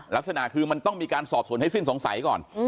ลักษณะคือมันต้องมีการสอบสวนให้สิ้นสงสัยก่อน